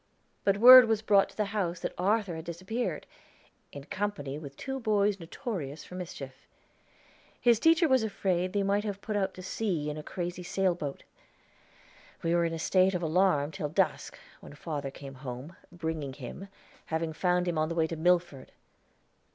But word was brought to the house that Arthur had disappeared, in company with two boys notorious for mischief. His teacher was afraid they might have put out to sea in a crazy sailboat. We were in a state of alarm till dark, when father came home, bringing him, having found him on the way to Milford.